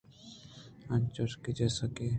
انچوش کہ:جیسا کہ۔